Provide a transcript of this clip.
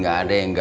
aku mau ke sana